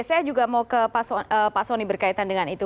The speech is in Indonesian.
saya juga mau ke pak soni berkaitan dengan itu